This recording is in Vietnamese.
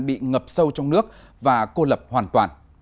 bị ngập sâu trong nước và cô lập hoàn toàn